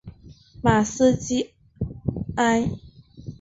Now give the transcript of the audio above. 马斯基埃。